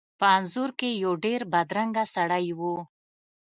په انځور کې یو ډیر بدرنګه سړی و.